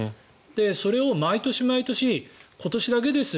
それを毎年、毎年今年だけです